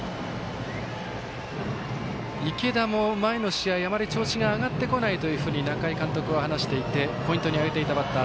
池田も前の試合あまり調子が上がってこないというふうに仲井監督は話していてポイントに挙げていたバッター。